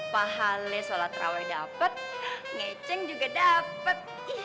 pahale sholat rawai dapet ngeceng juga dapet